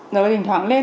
rồi thỉnh thoảng lên